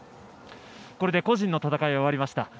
これで個人の戦いは終わりました。